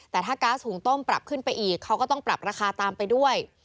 แต่ถ้าก๊าซหุงต้มปรับขึ้นไปอีกเขาก็ต้องปรับราคาตามไปด้วย